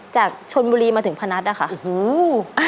จากชนบุหรี่มาถึงพนัทอ่ะค่ะอู้หู้